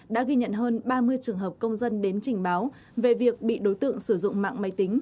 đã ghi nhận hơn ba mươi trường hợp công dân đến trình báo về việc bị đối tượng sử dụng mạng máy tính